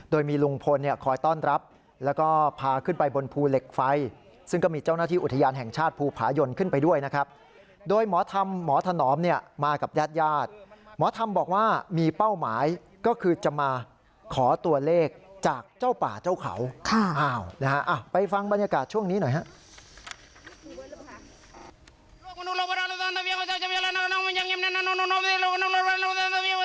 โดยมีลุงพลเนี่ยคอยต้อนรับแล้วก็พาขึ้นไปบนภูเหล็กไฟซึ่งก็มีเจ้าหน้าที่อุทยานแห่งชาติภูผายนขึ้นไปด้วยนะครับโดยหมอธรรมหมอถนอมเนี่ยมากับญาติญาติหมอธรรมบอกว่ามีเป้าหมายก็คือจะมาขอตัวเลขจากเจ้าป่าเจ้าเขานะฮะไปฟังบรรยากาศช่วงนี้หน่อยฮะ